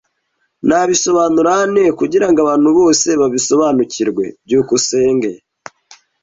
Nabisobanura nte kugirango abantu bose babisobanukirwe? byukusenge